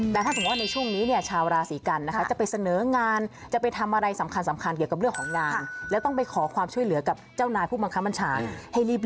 แต่ถ้าสมมุติว่าในช่วงนี้เนี่ยชาวราศีกันนะคะจะไปเสนองานจะไปทำอะไรสำคัญเกี่ยวกับเรื่องของงานแล้วต้องไปขอความช่วยเหลือกับเจ้านายผู้บังคับบัญชาให้รีบ